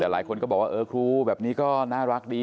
แต่หลายคนก็บอกว่าเออครูแบบนี้ก็น่ารักดี